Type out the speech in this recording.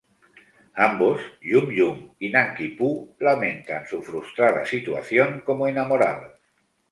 Ambos, Yum-Yum y Nanki-Poo, lamentan su frustrada situación como enamorados.